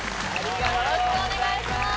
よろしくお願いします！